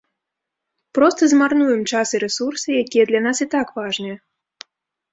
Проста змарнуем час і рэсурсы, якія для нас і так важныя.